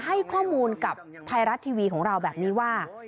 ให้ข้อมูลกับไทยรัฐทีวีของเราแบบนี้ว่า